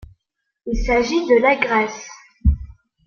Il s’agit de la Grèce.